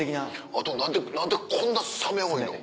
あと何でこんなサメ多いの？